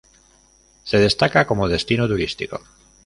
Se destaca como destino turístico.